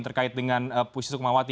terkait dengan puisi sukumawati